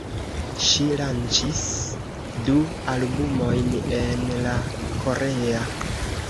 Ŝi lanĉis du albumojn en la korea.